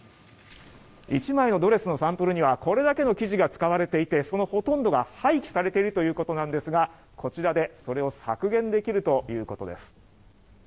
１枚のドレスのサンプルにはこれだけの生地が使われていてそのほとんどが廃棄されているということなんですがこちらでそれを削減できるということです。